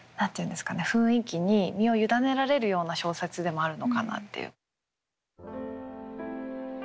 雰囲気に身を委ねられるような小説でもあるのかなっていう。